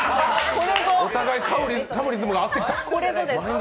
お互いかむリズムが合ってきた。